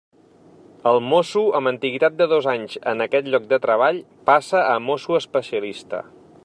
El mosso amb antiguitat de dos anys en aquest lloc de treball passa a mosso especialista.